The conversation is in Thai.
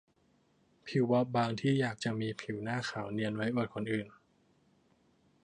ผิวบอบบางที่อยากจะมีผิวหน้าขาวเนียนไว้อวดคนอื่น